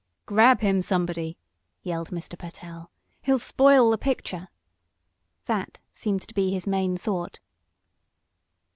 "Grab him, somebody!" yelled Mr. Pertell. "He'll spoil the picture!" That seemed to be his main thought.